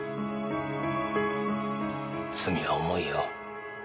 罪は重いよ。